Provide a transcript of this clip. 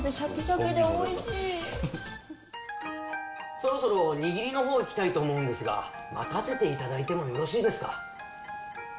そろそろにぎりの方いきたいと思うんですが任せていただいてもよろしいですか？